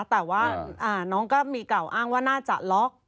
แต่ว่าน้องก็มีกล่าวอ้างว่าน่าจะล็อก